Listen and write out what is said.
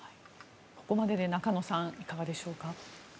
ここまでで中野さんいかがでしょうか。